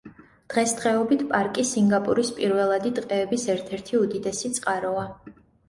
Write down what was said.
დღესდღეობით პარკი სინგაპურის პირველადი ტყეების ერთ-ერთი უდიდესი წყაროა.